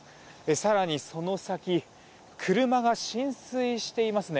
更にその先、車が浸水していますね。